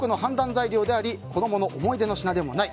材料であり子供の思い出の品でもない。